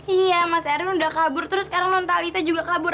iya mas erwin udah kabur terus sekarang non talita juga kabur